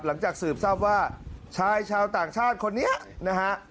หลังจากสืบทราบว่าชายชาวต่างชาติคนนี้นะฮะ